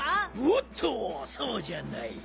おっとそうじゃない。